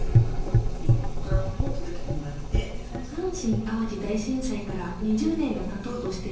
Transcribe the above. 阪神・淡路大震災から２０年がたとうとしています。